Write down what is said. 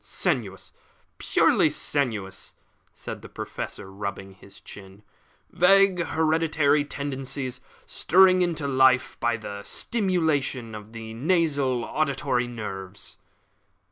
"Sensuous purely sensuous," said the Professor, rubbing his chin. "Vague hereditary tendencies stirred into life by the stimulation of the nasal and auditory nerves."